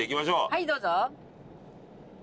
はいどうぞ。